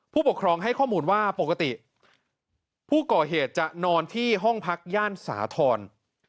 ผู้ปกครองให้ข้อมูลว่าปกติผู้ก่อเหตุจะนอนที่ห้องพักย่านสาธรณ์